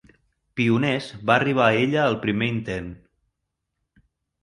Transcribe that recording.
Pioners va arribar a ella al primer intent.